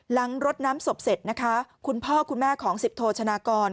รดน้ำศพเสร็จนะคะคุณพ่อคุณแม่ของสิบโทชนากร